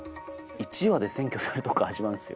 １話で占拠されるとこから始まるんですよ。